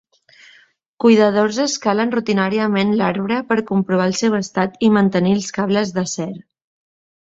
Cuidadors escalen rutinàriament l'arbre per comprovar el seu estat i mantenir els cables d'acer.